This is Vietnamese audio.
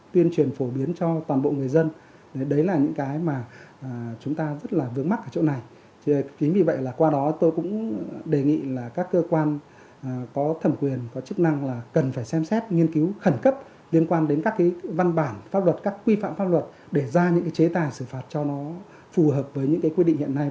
pháp luật các quy phạm pháp luật để ra những chế tài xử phạt cho nó phù hợp với những quy định hiện nay